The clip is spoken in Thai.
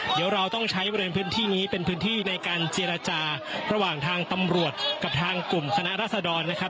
เดี๋ยวเราต้องใช้บริเวณพื้นที่นี้เป็นพื้นที่ในการเจรจาระหว่างทางตำรวจกับทางกลุ่มคณะรัศดรนะครับ